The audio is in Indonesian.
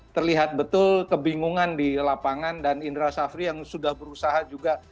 terlihat betul kebingungan di lapangan dan indra safri yang sudah berusaha juga